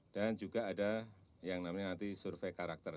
dan juga ada yang namanya nanti survei karakter